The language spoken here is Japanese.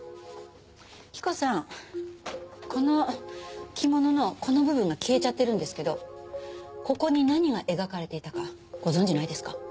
着子さんこの着物のこの部分が消えちゃってるんですけどここに何が描かれていたかご存じないですか？